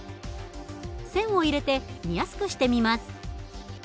線を入れて見やすくしてみます。